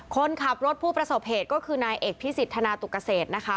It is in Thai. คนขับรถผู้ประสบเหตุก็คือนายเอกพิสิทธนาตุกเกษตรนะคะ